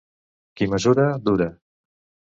Qui mesura, dura.